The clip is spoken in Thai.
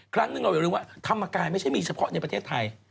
ครั้งหนึ่งเราอย่าลืมว่าธรรมกายไม่ใช่มีเฉพาะในประเทศไทย